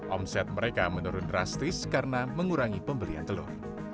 omset mereka menurun drastis karena mengurangi pembelian telur